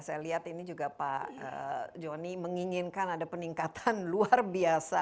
saya lihat ini juga pak joni menginginkan ada peningkatan luar biasa